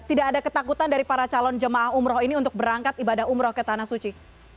tidak ada ketakutan dari para calon jemaah umroh ini untuk berangkat ibadah umroh ke tanah suci